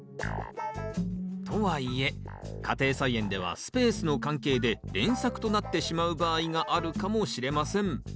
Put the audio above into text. とはいえ家庭菜園ではスペースの関係で連作となってしまう場合があるかもしれません。